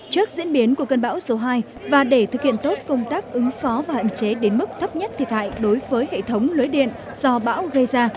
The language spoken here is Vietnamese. trước diễn biến của cơn bão số hai và để thực hiện tốt công tác ứng phó và hạn chế đến mức thấp nhất thiệt hại đối với hệ thống lưới điện do bão gây ra